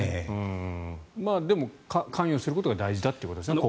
でも、関与することが大事だということですよね。